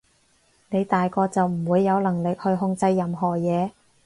你大個就唔會有能力去控制任何嘢